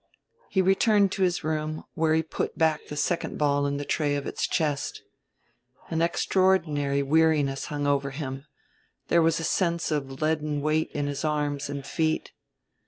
He returned to his room, where he put back the second ball in the tray of its chest. An extraordinary weariness hung over him, there was a sense of leaden weight in his arms and feet.